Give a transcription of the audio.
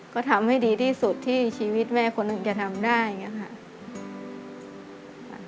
ก็ทำให้ดีที่สุดที่ชีวิตแม่คนหนึ่งจะทำได้อย่างนี้ค่ะ